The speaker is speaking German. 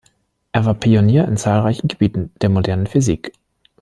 Er war Pionier in zahlreichen Gebieten der modernen Physik.